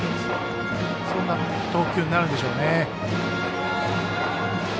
そんな投球になるでしょうね。